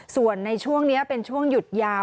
ส่วนในช่วงนี้เป็นช่วงหยุดยาว